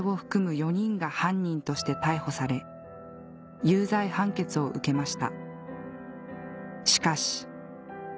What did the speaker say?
４人が犯人として逮捕され有罪判決を受けました